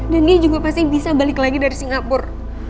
dan dia juga pasti bisa balik lagi dari singapur